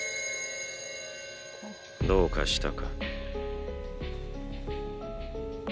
どうかしたか。